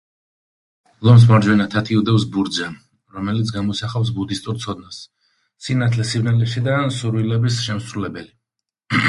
ლომს მარჯვენა თათი უდევს ბურთზე, რომელიც გამოსახავს ბუდისტურ ცოდნას, სინათლე სიბნელეში და სურვილების შემსრულებელი.